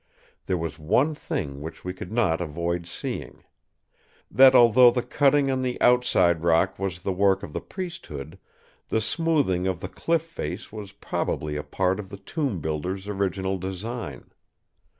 There was one thing which we could not avoid seeing. That although the cutting on the outside rock was the work of the priesthood, the smoothing of the cliff face was probably a part of the tomb builder's original design.